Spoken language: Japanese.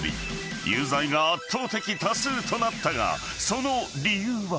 ［有罪が圧倒的多数となったがその理由は］